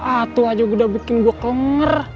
atuh aja udah bikin gua kelengger